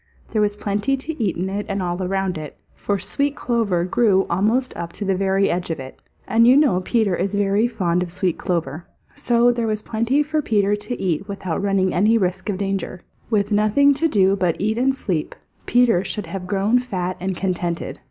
There was plenty to eat in it and all around it, for sweet clover grew almost up to the very edge of it, and you know Peter is very fond of sweet clover. So there was plenty for Peter to eat without running any risk of danger. With nothing to do but eat and sleep, Peter should have grown fat and contented.